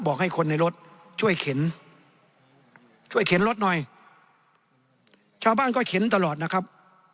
ให้คนในรถช่วยเข็นช่วยเข็นรถหน่อยชาวบ้านก็เข็นตลอดนะครับ